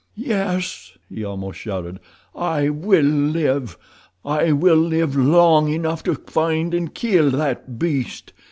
"Yes," he almost shouted; "I will live. I will live long enough to find and kill that beast!"